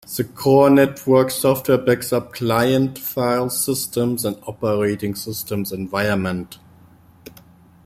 The core NetWorker software backs up client file systems and operating system environment.